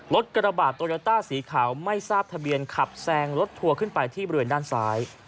กระบาดโตโยต้าสีขาวไม่ทราบทะเบียนขับแซงรถทัวร์ขึ้นไปที่บริเวณด้านซ้าย